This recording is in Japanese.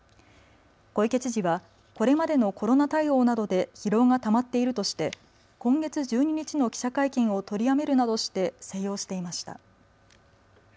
小池知事はこれまでのコロナ対応などで疲労がたまっているとして今月１２日の記者会見を取りやめるなどして静養していました。